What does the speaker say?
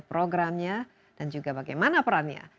programnya dan juga bagaimana perannya